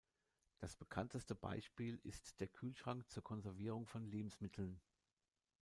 Das bekannteste Beispiel ist der Kühlschrank zur Konservierung von Lebensmitteln.